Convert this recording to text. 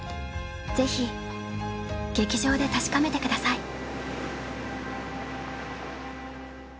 ぜひ劇場で確かめてください。